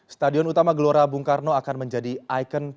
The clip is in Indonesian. stadion utama gelora bung karno akan menjadi ikon